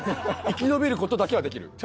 生き延びる事だけはできる。